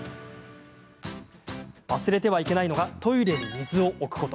忘れてはいけないのがトイレに水を置くこと。